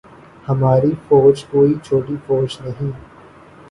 ہماری فوج کوئی چھوٹی فوج نہیں ہے۔